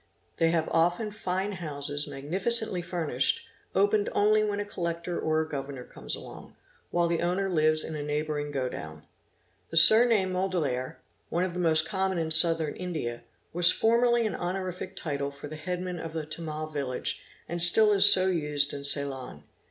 They have often fine houses magnificently furnished, opened only when a Collector or a Governor comes along, while the owner lives in a neighbouring go down. The surname Mudaliar, one of the most common in Southern India, was formerly an honorific title for the headman of a Tamil village and stall is so used in Ceylon.